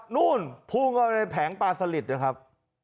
นู่นพุ่งเข้าไปในแผงปลาสลิดนะครับ